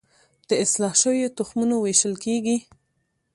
د اصلاح شویو تخمونو ویشل کیږي